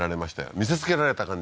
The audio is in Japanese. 見せつけられた感じ